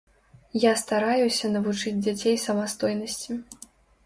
Я стараюся навучыць дзяцей самастойнасці.